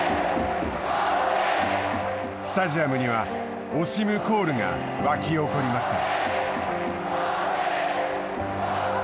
スタジアムには、オシムコールが沸き起こりました。